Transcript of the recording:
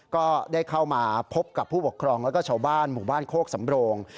ก็ได้เข้ามาพบกับผู้ปกครองแล้วก็ชาวบ้านหมู่บ้านโคกสำโรง